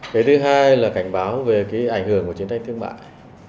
cái thứ hai là cảnh báo về cái ảnh hưởng của chiến tranh thương mại